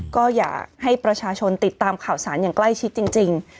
ก็อยากให้ประชาชนติดตามข่าวสารอย่างใกล้ชิดจริง